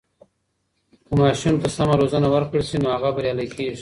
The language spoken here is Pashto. که ماشوم ته سمه روزنه ورکړل سي، نو هغه بریالی کیږي.